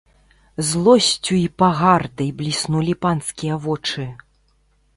Злосцю і пагардай бліснулі панскія вочы.